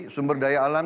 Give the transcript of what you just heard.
sumber daya alam